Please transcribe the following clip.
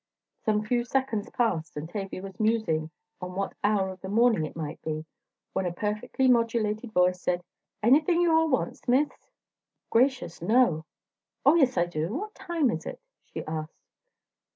Some few seconds passed, and Tavia was musing on what hour of the morning it might be, when a perfectly modulated voice said: "Anything yo' all wants, Miss?" "Gracious, no! Oh, yes I do. What time is it?" she asked.